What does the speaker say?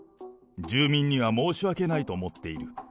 住民には申し訳ないと思っている。